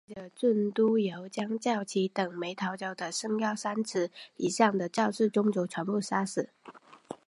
唐玹带着郡督邮将赵岐等没逃走的身高三尺以上的赵氏宗族全部杀死。